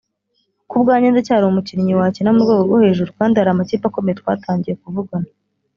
Ku bwanjye ndacyari umukinnyi wakina ku rwego rwo hejuru kandi hari amakipe akomeye twatangiye kuvugana